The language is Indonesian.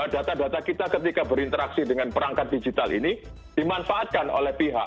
data data kita ketika berinteraksi dengan perangkat digital ini dimanfaatkan oleh pihak